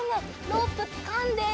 ロープつかんで。